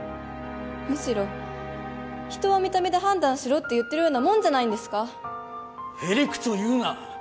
むしろ人は見た目で判断しろって言ってるようなもんじゃないですかへりくつを言うな！